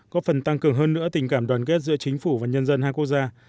có phần tăng cường hơn nữa tình cảm đoàn kết giữa chính phủ và nhân dân hai quốc gia